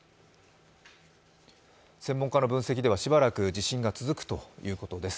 専門家の分析では、しばらく地震が続くということです。